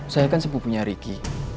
saya kan sepupunya ricky